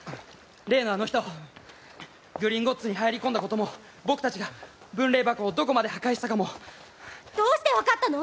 例のあの人グリンゴッツに入り込んだことも僕たちが分霊箱をどこまで破壊したかもどうして分かったの？